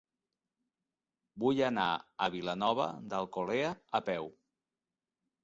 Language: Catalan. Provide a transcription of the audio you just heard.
Vull anar a Vilanova d'Alcolea a peu.